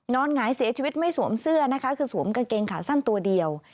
หงายเสียชีวิตไม่สวมเสื้อนะคะคือสวมกางเกงขาสั้นตัวเดียว